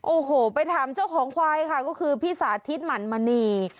โอ้โหไปถามเจ้าของควายค่ะก็คือพี่สาธิตหมั่นมณี